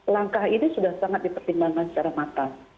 langkah ini sudah sangat dipertimbangkan secara matang